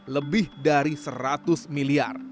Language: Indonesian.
lebih dari seratus miliar